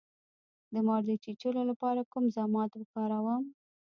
د مار د چیچلو لپاره کوم ضماد وکاروم؟